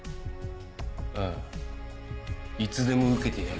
ああいつでも受けてやる。